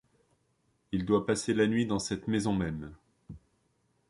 Il doit passer la nuit dans cette maison même.